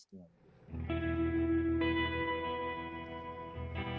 ketika mereka berpikir